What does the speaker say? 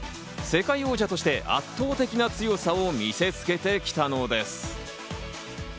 世界王者として圧倒的な強さを見せつけてきたのです。